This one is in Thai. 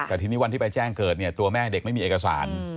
แต่ทีนี้วันที่ไปแจ้งเกิดเนี่ยตัวแม่เด็กไม่มีเอกสาร